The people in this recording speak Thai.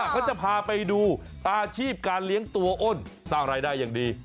เขาจะพาไปดูอาชีพการเลี้ยงตัวอ้นสร้างรายได้อย่างดี